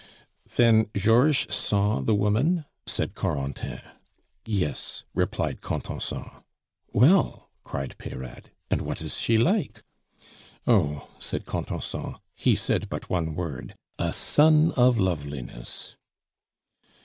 "Then Georges saw the woman?" said Corentin. "Yes," replied Contenson. "Well," cried Peyrade, "and what is she like?" "Oh," said Contenson, "he said but one word 'A sun of loveliness.